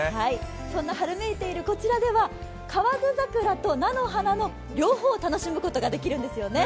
そんな春めいているこちらでは河津桜と菜の花の両方を楽しむことができるんですね。